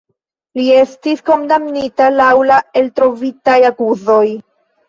Li estis kondamnita laŭ eltrovitaj akuzoj.